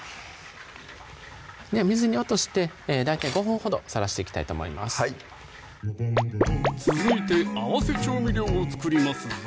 水に落として大体５分ほどさらしていきたいと思います続いて合わせ調味料を作りますぞ